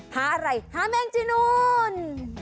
หาอะไรหาแมงจีนูน